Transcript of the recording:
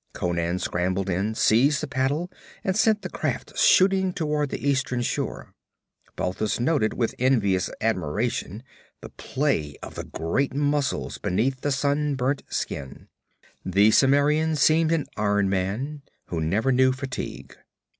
Conan scrambled in, seized the paddle and sent the craft shooting toward the eastern shore. Balthus noted with envious admiration the play of the great muscles beneath the sun burnt skin. The Cimmerian seemed an iron man, who never knew fatigue.